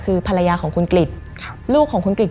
คือภรรยาของคุณกริจลูกของคุณกริจ